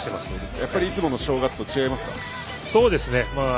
やっぱりいつもの正月と違いますか。